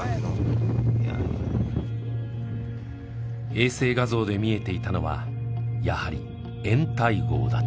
衛星画像で見えていたのはやはり掩体壕だった。